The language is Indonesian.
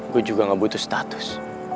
gue juga gak butuh status